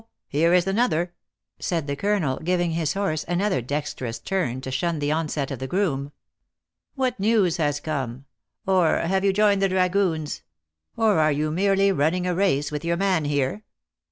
here is another !" said the colonel, giving his horse another dexterous turn, to shun the onset of the groom. "What news has come? Or have you joined the dragoons? Or are you merely running a race with your man here?"